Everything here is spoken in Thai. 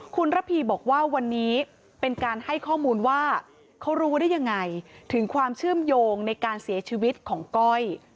คุณระพีบอกว่าวันนี้เป็นการให้ข้อมูลว่าเขารู้ได้ยังไงถึงความเชื่อมโยงในการเสียชีวิตของก้อย